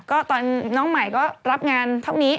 ก็ตอนน้องใหม่ก็รับงานเท่านี้